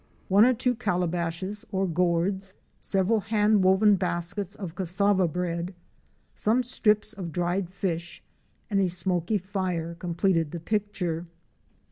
One or two calabashes or guords, several hand woven baskets of cassava bread, some strips of dried fish and a smoky fire completed the picture.